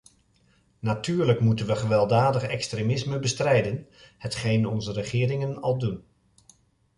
Natuurlijk moeten we gewelddadig extremisme bestrijden, hetgeen onze regeringen al doen.